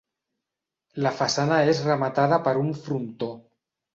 La façana és rematada per un frontó.